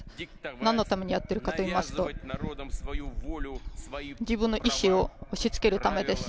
何のためにやっているかといいますと、自分の意思を押しつけるためです。